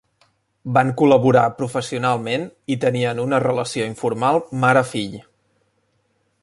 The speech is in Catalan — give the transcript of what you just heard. Van col·laborar professionalment i tenien una relació informal mare-fill.